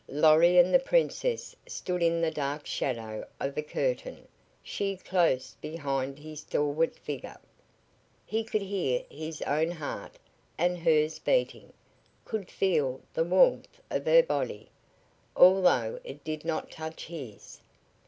Lorry and the Princess stood in the dark shadow of a curtain, she close behind his stalwart figure. He could hear his own heart and hers beating, could feel the warmth of her body, although it did not touch his.